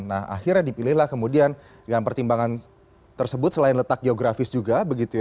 nah akhirnya dipilihlah kemudian dengan pertimbangan tersebut selain letak geografis juga begitu ya